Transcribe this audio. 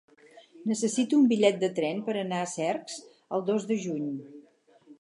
Necessito un bitllet de tren per anar a Cercs el dos de juny.